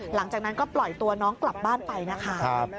หลังจากนั้นก็ปล่อยตัวน้องกลับบ้านไปนะคะ